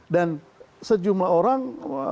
dan sejumlah orang